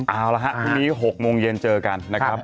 เอาละฮะพรุ่งนี้๖โมงเย็นเจอกันนะครับ